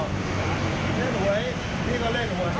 เล่นหวยนี่ก็เล่นหวย